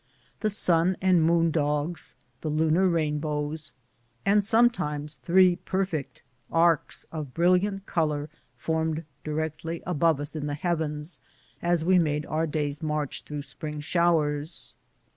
The sun and moon dogs, the lunar rainbows, and sometimes three perfect arcs of brilliant color formed directly above us in the heavens as we made our day's march through spring showers.